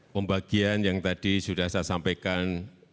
pembagian yang tadi sudah saya sampaikan